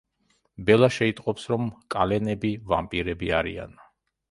ბელა შეიტყობს რომ კალენები ვამპირები არიან.